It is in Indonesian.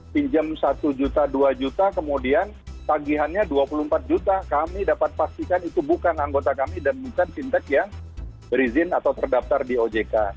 pinjam satu juta dua juta kemudian tagihannya dua puluh empat juta kami dapat pastikan itu bukan anggota kami dan bukan fintech yang berizin atau terdaftar di ojk